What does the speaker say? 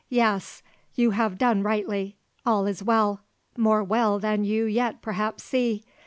"Yes, you have done rightly. All is well; more well than you yet perhaps see.